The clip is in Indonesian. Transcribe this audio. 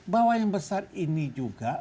bahwa yang besar ini juga